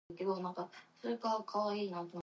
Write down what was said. She married record producer Ian Green.